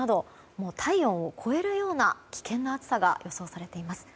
もう体温を超えるような危険な暑さが予想されています。